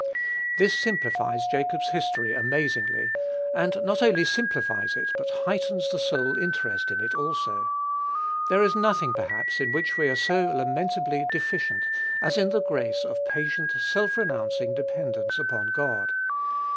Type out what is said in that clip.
This simplifies Jacob's history amazingly, and not only simplifies it, but heightens the soul's interest in it also. There is nothing, perhaps, in which we are so lamentably deficient, as in the grace of patient, self renouncing dependence upon God.